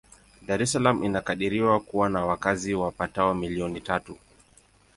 Dar es Salaam inakadiriwa kuwa na wakazi wapatao milioni tatu.